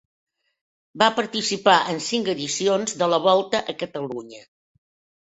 Va participar en cinc edicions de la Volta a Catalunya.